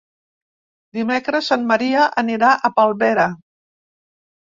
Dimecres en Maria anirà a Palmera.